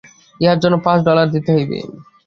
ইহার জন্য পাঁচ ডলার দিতে হইবে।